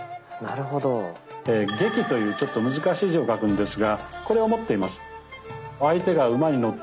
「戟」というちょっと難しい字を書くんですがこれを持っています。